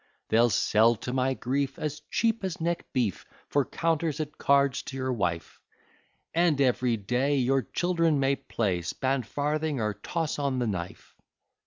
They'll sell to my grief As cheap as neck beef, For counters at cards to your wife; And every day Your children may play Span farthing or toss on the knife.